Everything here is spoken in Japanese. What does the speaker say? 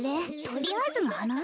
とりあえずのはな？